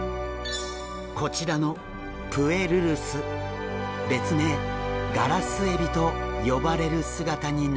こちらのプエルルス別名「ガラスエビ」と呼ばれる姿になるんです。